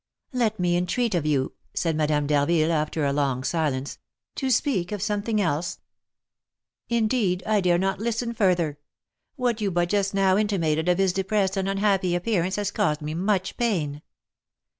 "Let me entreat of you," said Madame d'Harville, after a long silence, "to speak of something else; indeed I dare not listen further: what you but just now intimated of his depressed and unhappy appearance has caused me much pain."